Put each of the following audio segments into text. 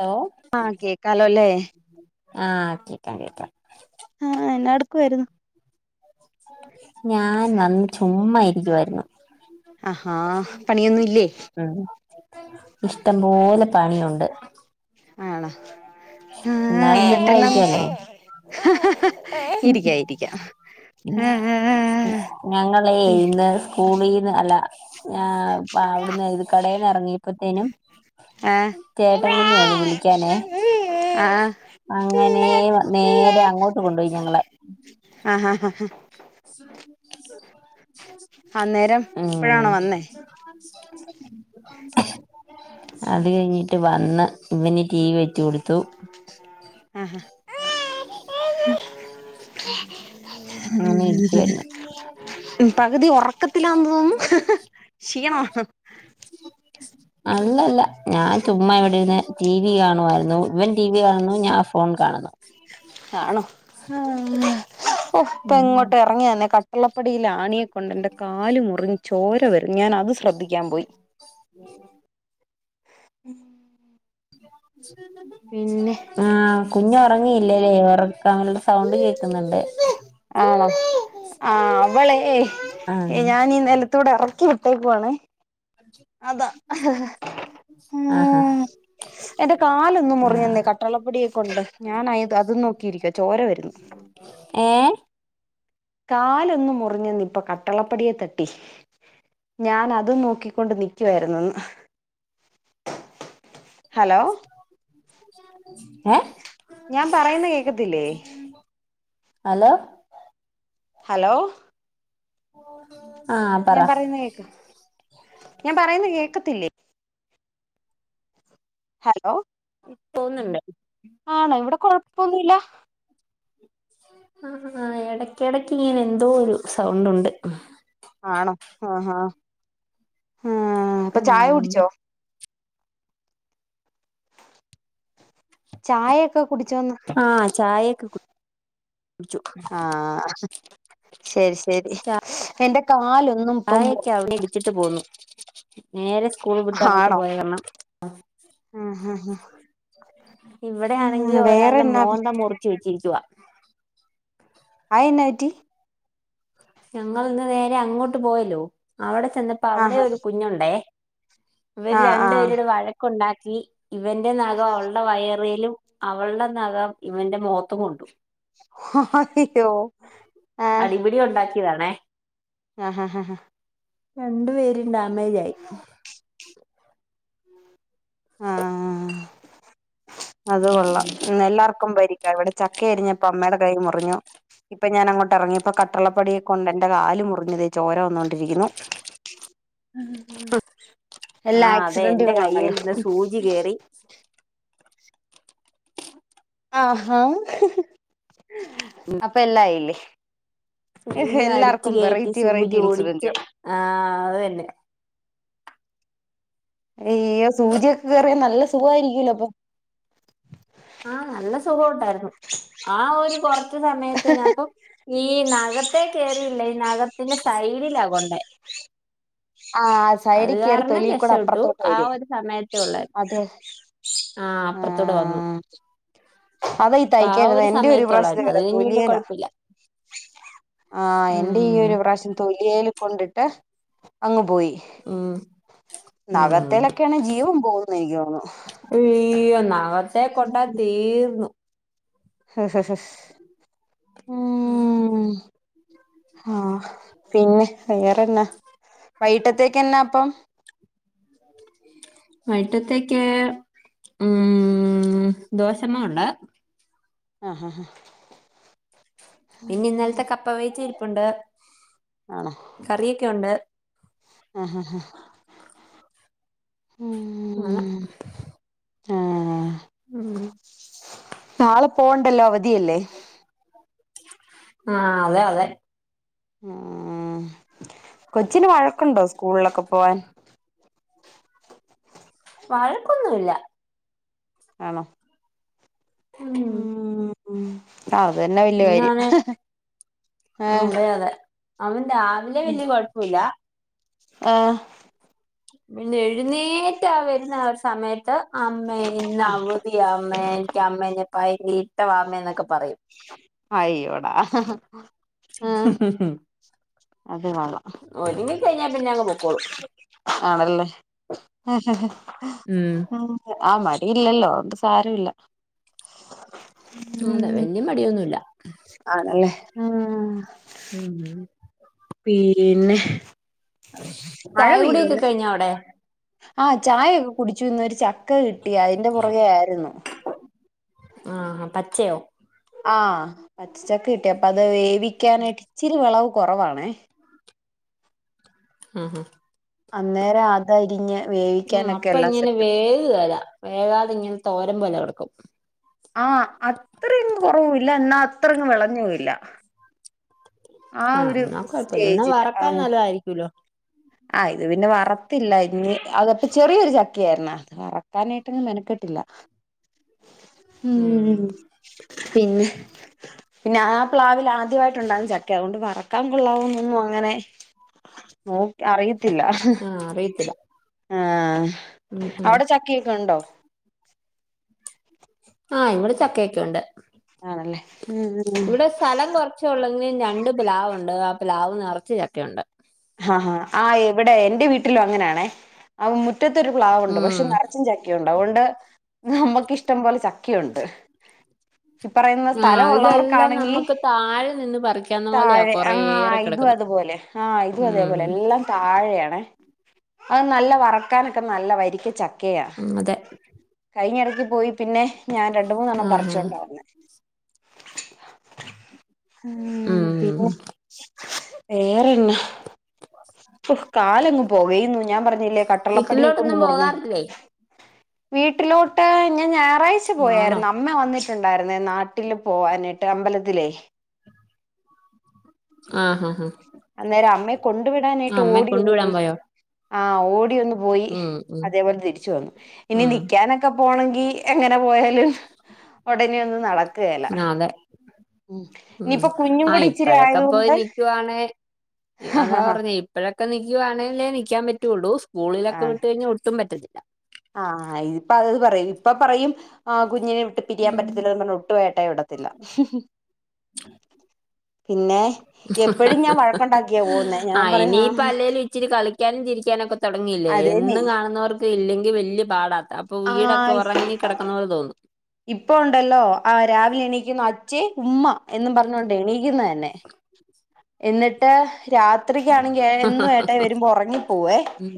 Hello ആഹ കേക്കാലോല്ലേ ആഹ കേക്കാം കേക്കാം ആഹ എന്ന എടക്കയിരുന്നു ഞാൻ വന്ന് ചുമ്മാ ഇരിക്കുവായിരുന്നു ആഹാ പണിയൊന്നും ഇല്ലേ ഇഷ്ടംപോലെ പണിയുണ്ട് ആണോ ഉ എന്നാലും ചുമ്മാ എന്നിട്ട്ന്ന ഇരിക്കാലോ ഹ ഹ ഹ ഇരിക്ക ഇരിക്ക ഞങ്ങള ഇന്ന് സ്കൂളീന്ന് അല്ല ആ, അവിടുന്ന് ഇത് കടയിൽന്ന ഇറങ്ങിയപ്പോത്തേനും ആഹ് ആഹ് ചേട്ടൻ കുഞ്ഞു വന്നു വിളിക്കാനേ അങ്ങനെ നേരെ അങ്ങോട്ട് കൊണ്ടുപോയി ഞങ്ങളെ ഹ് അന്നേരം ഉ ഇപ്പഴാണോ വന്നേ അത് കഴിഞ്ഞി ട്ട് വന്ന് ഇവനി ടി വി വെച് കൊടുത്തു ഉം [unintelligible] ഉ [unintelligible] അങ്ങനെ ഇരിക്കുവായിരുന്നു മ്മ് പകുതി ഉറക്കത്തില തൊന്നു ക്ഷീണ ഉ [unintelligible] അല്ലല്ല ഞാൻ ചുമ്മാ എവിടെന്ന് ടി വി കാണുമായിരുന്നു ഇവൻ ടി വി കാണുന്നു ഞാൻ ഫോൺ കാണുന്നു ആ ഇപ്പ ഉം ഇങ്ങോട്ട് ഇറങ്ങിയന്നെ കട്ടുള്ളപ്പടിയിലാണിയക്കെ കൊണ്ട് എൻ്റെ കാാല മുറിും ചോര വരും ഞാൻ അത് ശ്രദ്ധിക്കാൻ പോയി ഉം [inaudible] ഉ [inaudible] ആ കുഞ്ഞു ഉറങ്ങിയില്ലേ ലെ ഒറ താങ്കളുടെ സൗണ്ട് കേൾക്കുന്നുണ്ട് ആണോ ആ അവളെ ആഹ് ഞാൻ ഈ നെലത്തുടെ എറക്കി വിട്ടേക്കുവാണേ അതാ ആ ഹാ ഉം എന്റെ കാലൊന്നു മുറിഞ്ഞന്നെ കട്ടളപ്പടിയെ കൊണ്ട് ഞാൻ അയ് അത് നോക്കിയിരിക്കുവാ ചോര വരുന്നു ഏഹ് കാല് ഒന്ന് മുറിഞ്ഞെന്ന് ഇപ്പോ കട്ടളപ്പടിയെ തട്ടി. ഞാൻ അതും നോക്കിക്കൊണ്ട് നിക്കുവാരുന്നെന്ന് ഏഹ് ഞാ പറയുന്ന കേൾക്കത്തില്ലേ ഹലോ ഹലോ ആഹ് പറ ഞാ പറയുന്ന കേക്ക് ഞാൻ പറയുന്ന കേൾക്കത്തില്ലേ ഹലോ പൊന്നുണ്ട് ആണോ ഇവിടെ കൊഴപ്പൊ ഒന്നുഇല്ല ആഹഹഹ എടക്ക് എടക്ക് ഇങ്ങനെ എന്തോ ഒരു സൗണ്ട് ഉണ്ട് ആണോ ആഹ ആഹ് അപ്പൊ ചായ ഉം കുടിച്ചോ? ചായയൊക്കെ കുടിച്ചോന്ന് ആഹ ചായൊക്കെ കു ആഹ ശരി ശരി എന്റെ കാലൊ ആയയൊക്കെ അവിടെ ഇടിച്ചിട്ട് പോന്നു നേരെ സ്കൂള് വിട്ടങ്ങോട്ട് ആണോ പോയ കാരണം അ ആഹ് ആഹ് ഇവിടെയാണെങ്കി ആഹ് ഒരാളുടെ വേറെന്നാ മോന്ത മുറിച്ചു വെച്ചിരിക്കുവാ അയെന്നാ പറ്റി ഞങ്ങളിന്ന് നേരെ അങ്ങോട്ട് പോയല്ലോ അവിടെ ചെന്നപ്പോ ആഹ് അവിടേം ഒരു കുഞ്ഞുണ്ടെ ഇവര് ആഹ് ആഹ് രണ്ടുപേരൂടെ വഴക്കുണ്ടാക്കി ഇവന്റെ നഖം അവളുടെ വയറേലും അവളുടെ നഖം ഇവന്റെ മുഖത്തും കൊണ്ടു ആയ്യോ ആ ക്കിയതാണേ ആഹ് ആഹ് ആഹ് ആഹ് രണ്ടു പേരും ഡാമേജായി ആഹ് അത് കൊെള്ളാം ഇന്നില്ലാർക്കും പരിക്കാ ഇവിടെ ചക്ക അരിഞ്ഞപ്പൊ അമ്മേടെ കൈ മുറിഞ്ഞു. ഇപ്പൊ ഞാനങ്ങോട്ടെറങ്ങിപ്പോ കട്ടളപ്പടിയെ കൊണ്ടെന്റെ കാലു മുറിഞ്ഞു ഇതേ ചോര വന്നോ ണ്ടിരിക്കുന്നു ആ എല്ലാം അതെ എന്റെ ആക്സിഡന്റുകളാണല്ലോ കയ്യിൽ ഇന്ന് സൂചി കേറി ആഹാ അപ്പോ എല്ലായില്ലേ സൂചി അടിച്ചു എല്ലാർക്കും കയറ്റി വെറൈറ്റി സൂചി വെറൈറ്റി ഓടിച്ച് ഇൻസിഡന്റുകൾ ആ അത് തന്നെ ഏയ് സൂചയൊക്കെ കേറിയാ നല്ല സുഖാരിക്കുല്ലോ അപ്പം ആ നല്ല സുഖവൊണ്ടാരുന്നു ആ ഒരു കൊറ ച്ച് സമയത്തിനപ്പം ഈ നഖത്തെ കേ റിയില്ല ഈ നഖത്തിന്റെ സൈഡിലാ കൊണ്ടേ ആഹ് അത് സൈഡിൽ കയറി കാരണം തൊലി കൂടെ രക്ഷപ്പെട്ടു അപ്പുറത്തോട്ട് ആ വരും ഒരു സമയത്തെ ഒള്ളായി അത് ആഹ് അപ്പറത്തൂടെ വന്നു. ആഹ് അതാ ഈ അപ്പൊ ആ തയ്ക്കാൻ ഇരുന്ന എന്റെ ഒരു സമയത്തുള്ളായിരുന്നു അത് കഴിഞ്ഞ് പിന്നെ [unintelligible] കൊഴപ്പില്ല ആഹ് എന്റെ ഈ ഉം ഒരു പ്രാവശ്യം തൊലിയെൽ കൊണ്ടിട്ട് അങ്ങ് പോയി ഉം ഉം നഖത്തേലൊക്കെയാണ് ജീവം പോകുന്ന എനിക്ക് തോന്നുന്നു. നഖത്തെ കൊണ്ട തീർന്നു മ് ഉം മ് ആഹ് പിന്നെ വേറെന്നാ? വൈകിട്ടത്തേക്കെന്നാ അപ്പം? വൈട്ടത്തേക്ക് മ് ദോശമാവ് ഒണ്ട്. ആഹ് ഹാ ഹാ പിന്നെ ഇന്നലത്തെ കപ്പ വേവിച്ച ഇരിപ്പുണ്ട്, ആണോ കറിയൊക്കെ ഒണ്ട്. ആഹ് ഹാ ഹാ നാളെ ആഹ് മ് നാളെ പോണ്ടല്ലോ അവധിയല്ലേ. ആഹ് അതെ അതെ. മ് കൊച്ചിന് വഴക്കുണ്ടോ സ് സ്കൂളിലൊക്കെ പോവാൻ വഴക്കൊന്നുല്ല. ആണോ? മ് ഉം ഉം അത് തന്നെ വല്യ കാര്യം ആഹ് അതെ അതെ അവൻ രാവിലെ വല്യ കൊഴപ്പില്ല ആഹ് പിന്നെ എഴുന്നേറ്റാ വരുന്നെ ആ ഒരു സമയത്ത് അമ്മേ ഇന്ന് ആഹ് അവധിയമ്മേ എനിക്ക് അമ്മേനെ ഭയങ്കര ഇട്ടവാ അമ്മേയെന്നൊക്ക പറയും അയ്യോടാ ആഹ് അത് വേ [unintelligible] ളാം ഒരുങ്ങി കഴിഞ്ഞാൽ പിന്നെ അങ്ങ് പൊക്കോളും ആണല്ലേ ആ ഉ ഉം [unintelligible] ആ മടിയില്ലല്ലോ അതുകൊണ്ട് സാരില്ല അതെ വലിയ മടിയൊന്നുമല്ല ആണല്ലേ ആഹ് ഉംഉം പിന്നെ മഴ ചായ പെയ്തോ കുടിയൊക്കെ ഇന്ന് കഴിഞ്ഞോ അവിടെ ആഹ് ചായൊക്കെ കുടിച്ചു ഇന്ന് ഒരു ചക്ക കിട്ടി അതിന്റെ പുറകെ ആയിരുന്നു ആഹ് പച്ചയോ ആഹ് പച്ചച്ചക്ക കിട്ടി അപ്പ അത് വേവിക്കാനായിട്ട് ഇച്ചിരി വെളവ് കൊറവാണേ ആഹ് ആഹ് അന്നേരം അത് അരിഞ്ഞ് ഉം അപ്പൊ ഇങ്ങനെ വേകുകേല വേകാതെ ഇങ്ങനെ തോരൻ പോലെ കെടക്കും ആഹ് അത്രയങ് കൊറവുയില്ല എന്നാ അത്രങ്ങും വെളഞ്ഞുവില്ല ആ ഒരു എന്നാ കുഴപ്പമില്ല എന്നാ സ്റ്റേജില് വറക്കാൻ ആഹ് നല്ലതായിരിക്കുമല്ലോ ആ ഇത് പിന്നെ വറത്തില്ല ഇനി അക- ചെറിയൊരു ചക്ക ആയിരുന്നു അത് വറക്കാനായിട്ടൊന്നും മെനക്കെട്ടില്ല ഉം പിന്നെ പിന്നെ ആ പ്ലാവിൽ ആദ്യമായിട്ട് ഉണ്ടാകുന്ന ചക്കയാ അതൊണ്ട് വറക്കാൻ കൊള്ളാവൊന്നൊന്നും അങ്ങനെ നോ അറിയത്തില്ല. ആ അറിയത്തില്ല ആഹ് ഉം ഉം ഔടെ ചക്കയൊക്കെ ഇണ്ടോ ആഹ് ഇവിടെ ചക്ക്യോക്കെ ഉണ്ട് ആണെല്ലേ ഇവിടെ സ്ഥലം കുറച്ച് ഉള്ളങ്കിലും രണ്ട് പ്ലാവ്ണ്ട് ആ പ്ലാവ് നിറച്ച് ചക്ക ഉണ്ട് ആ അ ആ ഇവിടെ എൻ്റെ വീട്ടിലും അങ്ങനെയാണെ അ മുറ്റത്തെരു പ്ലാവുണ്ട് ഉം പക്ഷെ നിറച്ചും ചക്കയുണ്ട് അതുകൊണ്ട് നമുക്ക് ഇഷ്ടംപോലെ ചക് ക്കണ്ട് ഈ പറയുന്ന ആ ഇതെല്ലാം സ്ഥലമള്ളവർക്കാണെങ്കി നമുക്ക് താഴെ നിന്ന് പറിക്കാവുന്ന പോലെയാ താഴെ ആ കുറേയേറെ ഇതും കിടക്കുന്നത് അതുപോലെ ആ ഇതും അതേപോലെ ഉം എല്ലാം താഴെയാണ് അത് നല്ല വറക്കാനൊക്കെ നല്ല വരിക്ക ചക്കയാണ് ഉം, അതെ കഴിഞ്ഞടു പോയി പിന്നെ ഞാൻ രണ്ട് മൂന്നെണ്ണം ആ ഹാ പറിച്ചോണ്ട വന്നേ ഉം വേറെന്ന കാലങ്ങ് പുകയുന്ന ഞാൻ പറഞ്ഞില്ലേ. കട്ടറ്ളപ്പടി ഒക്കെട്ഞ്ഞ് വീട്ടിലോട്ടൊന്നും മുറിഞ്ഞ് പോകാറില്ലേ വീട്ടിലോട്ട് ഞായറാഴ്ച ആണോ പോയായിരുന്നു അമ്മ വന്നിട്ടുണ്ടായിരുന്നേ നാട്ടില് പോവാനിട്ട് അമ്പലത്തിലേ ആഹ് ആഹ് ഹഹ അന്നേരം അമ്മയെ കൊണ്ടു വിടാനായിട്ട് ഓടി അങ്ങ് പോയി പോയോ ആ ഓടി ഒന്ന് പോയി ഉം ഉം അതേപോലെ തിരിച്ചു വന്നു ഇനി ഉം നിക്കാനൊക്കെ പോണെങ്കി എങ്ങനെ പോയാലും ഒടനെ ഒന്നും നടക്കേല ആ, അതെ ഉം ആ ഇപ്പോഴൊക്കെ പോയി ആയതുകൊണ്ട് നിക്കുവാണേ ഈ അതാ പറഞ്ഞേ ഇപ്പഴൊക്കെ നിക്കുവാണെങ്കിലേ നക്കാൻ പറ്റ പറ്റൂളു സ്കൂളിലൊക്കെ വിട്ട് കഴിഞ്ഞൽ ഒട്ടും പറ്റത് ആ ഇതിപ്പ അത് പറയും ഇപ്പൊ പറയും ആഹ് കുഞ്ഞിനെ വിട്ട് പിരിയാൻ ഉം പറ്റത്തില്ലന്ന് പറഞ്ഞ് ഒട്ട് വേട്ടേ വിടത്തില്ല [inaudible] പിന്നെ എപ്പഴും ഞാൻ വഴക്കുണ്ടാക്കിയാ പോന്നേ ഞാൻ പറയും ആ ഇനിയിപ്പ ആ അല്ലേലും ഇച്ചിരി കളിക്കാനും ചിരിക്കാനൊക്കെ തുടങ്ങിയില്ലെ എന്നും കാണുന്നവർക്ക് ഇല്ലെങ്കിൽ വല്യ പാടാ അപ്പൊ വീടൊക്കെ ഒറങ്ങി കെടക്കുന്ന പോലെ തോന്നും ഇപ്പം ഉണ്ടല്ലോ ആ രാവിലെ എണിക്കുന്നു അ അച്ചിയെ ഉമ്മ എന്നും പറഞ്ഞോണ്ട് എണീക്കുന്ന തന്നെ എന്നിട്ട് രാത്രിക്ക് ആണെങ്കി എന്നും ഏട്ടായി വരുമ്പോ ഒറങ്ങിപ്പോവേ ഉം.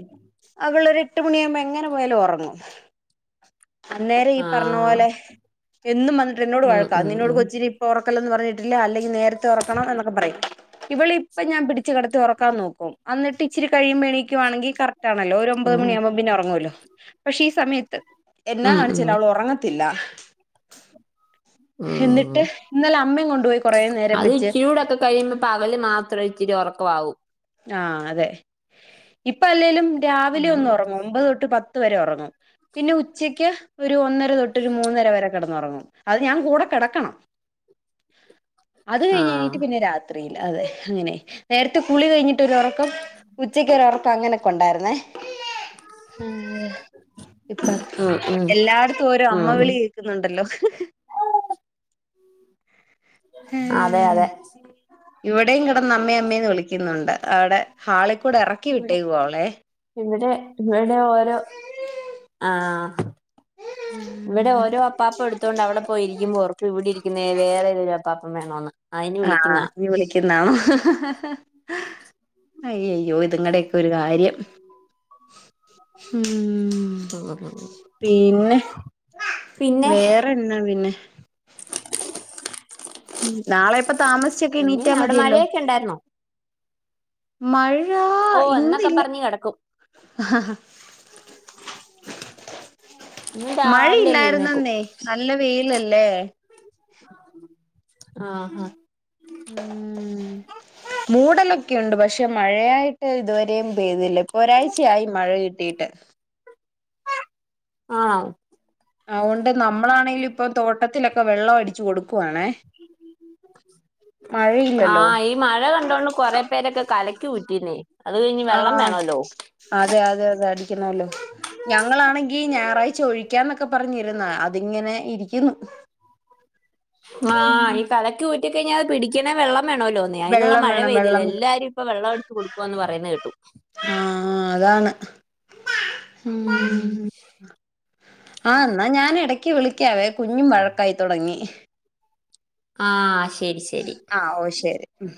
അവൾ ഒരു എട്ട് മണിയാകുമ്പോ എങ്ങനെ പോയാലും ഉറങ്ങും അന്നേരം ഈ ആ പറഞ്ഞ പോലെ എന്നും വന്നിട്ട് എന്നോട് ഉം വഴക്കാ ഉം നിന്നോട് ഉം കൊച്ചിനെ ഇപ്പം ഉറക്കല്ല്ന്ന് പറഞ്ഞി് ഇല്ല അല്ലെങ്കിൽ നേരത്തെ ഉറക്കണം എന്നൊക്കെ പറയും ഇവള് ഇപ്പം ഞാൻ പിടിച്ചച്ച് കടത്തി ഉറക്കാൻ നോക്കും അന്നിട്ട് ഇച്ചരി കഴിയുമ്പോ എണീക്കുവാണെങ്കിൽ കററ്റ് ആണോല്ലോ ഒര് ഒമ്പത് ഉം മണിയാകുമ്പം പിന്നെ ഉറങ്ങുമല്ലോ പക്ഷെ ഈ സമയത്ത് എന്നാ ഉം ഉം കാണിച്ചൽ അവള് ഉറങ്ങത്തില്ല ഉം എന്നിട്ട് ഇന്നലെ അമ്മയും കൊണ്ടുപോയി കുറേ നേരം അത് വെച്ച് ഇച്ചിരുടൊക്കെ കഴിയുമ്പോ പകല് മാത്രം ഒരു ഇച്ചിരി ഉറണും വാവു ആ അതെ ഇപ്പം അല്ലേലും രാവിലെ ഒന്ന് ഉം. ഉറങ്ങും ഒമ്പത് തൊട്ട് പത്ത് വരെ ഉറങ്ങും പിന്നെ ഉച്ചയ്ക്ക് ഒരു ഒന്നര തൊട്ട് ഒരു മൂന്നര വരെ കിടന്ന് ഉറങ്ങും അത് ഞാൻ കൂടെ കി കിടക്കണം [inaudible] അത് ആ കഴിഞ്ഞ് കഴിഞ്ഞിട്ട് പിന്നെ രാത്രിയില് അതെ അങ്ങനെ നേരത്തെ കുളി കഴിഞ്ഞിട്ട് ഒരു ഉറക്കം ഉച്ചക്ക് ഒരോർക്കം അങ്ങനെയൊക്കെ ഉണ്ടായിരുന്നേ [inaudible] [inaudible] ഇപ്പൊ ഉം ഉം എല്ലായിടത്തും ഓരോ അമ്മ ഉം. വിളി കേക്കുന്നുണ്ടല്ലോ [inaudible] ഏ അതെ അതെ ഇവിടെയും കിടന്ന് അമ്മേ അമ്മേന്ന് വിളിക്കുന്നുണ്ട് അവിടെ ഹാളി കൂടെ ഇറക്കി വിട്ടേ ഇവിടെ അവളെ ഇവിടെ ഇവിടെ ഓരോ ആ ഇവിടെ ഓരോ അപ്പാപ്പ എടുത്തൊണ്ട് അവിടെ പോയിരിക്കുമ്പോൾ പുറത്ത് ഇവിടെ ഇരിക്കുന്ന വേറെ ഏത ഒരു അപ്പാപ്പ അപ്പം വേണോന്ന് അയിന് ആ വിളിക്കുന്ന നീ വിളിക്കുന്നോ അയ്യ അയ്യോ ഇതിങ്ങടേക്കെ ഒരു കാര്യം ഉം ഉം ഉം പീന്നെ പിന്നെ വേറെണാ പിന്നെ നാളെ ഇപ്പെ താമസിച്ചൊക്കെ പിന്നെ എണീറ്റാ അവിടെ മതിയല്ലോ മഴയൊക്കെ ഉണ്ടായിരുന്നോ മഴ ഓ എന്നൊക്കെ ഇന്നില്ല പറഞ്ഞ് കിടക്കും ആഹ് ഇന്നും മഴ രാവിലെ അങ്ങ് എഴുന്നേക്കും ഇല്ലാറ്ന്നെന്നെ നല്ല വെയില ആഹ് ആഹ് ഉം മൂടലൊക്കെ ഇണ്ട്. പക്ഷെ മഴയായിട്ട് ഇതുവരെയും പെയ്തില്ല ഇപ്പൊ ഒരാഴ്ചയായി മഴ കിട്ടി ഇട്ട് ആണൊ ഇപ്പം തോട്ടത്തിലൊക്കെ വെള്ളം അടിച്ചു കൊടുപ്വാണേ ആഹ് ഈ മഴ കണ്ടോണ്ട് കൊറെ പേരൊക്കെ കലക്കി ഊറ്റിന്നേ അത് കഴിഞ്ഞ് വെള്ളം ആഹ് വേണല്ലോ അതെ അതെ അതെ അടിക്കണോല്ലോ ഞങ്ങളാണെങ്കി ഞായറാഴ്ച ഒഴിക്കാന്നൊക്കെ പറഞ്ഞിരുന്ന. അതിങ്ങനെ ഇരിക്കുന്നു മാഹ് ഈ കലക്ക് ഊറ്റി കഴിഞ്ഞ അത് പിടിക്കെണെ വെള്ളം വേണോല്ലോന്നെ അയ്നുള്ള വെള്ളം മഴ വേണം പെയ്തില്ല. വെള്ളം എല്ലാരും ഇപ്പൊ വെള്ളം എടുത്ത് കൊടുക്ക്വ എന്ന് പറയുന്ന കേട്ടു ആഹ് അതാണ് ഉം ആ എന്നാ ഞാനു എടക്ക് വിളിക്കാവേ. കുഞ്ഞും വഴക്കായി തൊടങ്ങി ആഹ് ശ് ആഹ് ഓ ശെരി ഉം